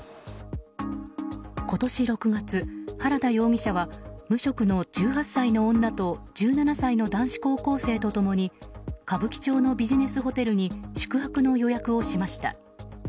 今年６月、原田容疑者は無職の１８歳の女と１７歳の男子高校生とともに歌舞伎町のビジネスホテルに宿泊の予約をしました。